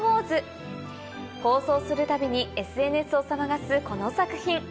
放送するたびにＳＮＳを騒がすこの作品。